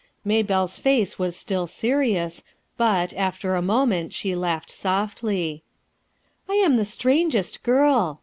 Maybelle's face was still serious, but, after a moment, she laughed softly, "I am the strangest girl!"